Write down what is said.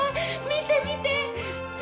見て見て！